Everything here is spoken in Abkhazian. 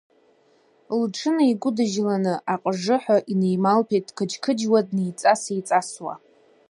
Лҽынаигәыджьланы акьыжыҳәа инеималҭәеит дқыџьқыџьуа, днеиҵас-еиҵасуа…